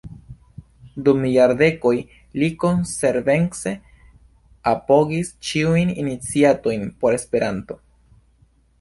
Dum jardekoj li konsekvence apogis ĉiujn iniciatojn por Esperanto.